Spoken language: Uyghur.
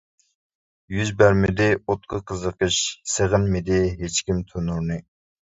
يۈز بەرمىدى ئوتقا قىزىقىش، سېغىنمىدى ھېچكىم تونۇرنى.